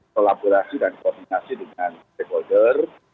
kolaborasi dan koordinasi dengan stakeholder